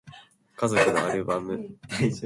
家族のアルバム